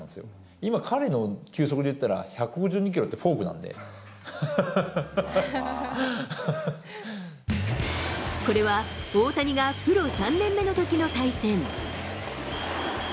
今、彼の球速でいったら、これは、大谷がプロ３年目のときの対戦。